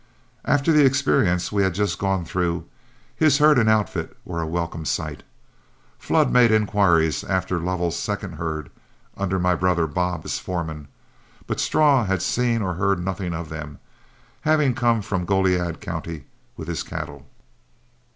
After the experience we had just gone through, his herd and outfit were a welcome sight. Flood made inquiries after Lovell's second herd, under my brother Bob as foreman, but Straw had seen or heard nothing of them, having come from Goliad County with his cattle.